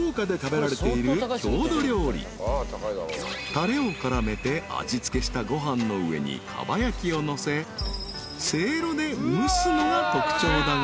［たれを絡めて味付けしたご飯の上にかば焼きをのせせいろで蒸すのが特徴だが］